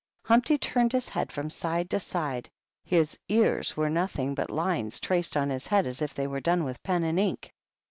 Humpty turned his head from side to side; his ears were nothing but lines traced on his head as if they were done with pen and ink.